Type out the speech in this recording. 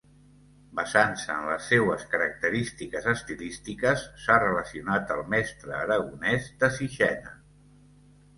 Basant-se en les seues característiques estilístiques, s'ha relacionat el mestre aragonès de Sixena.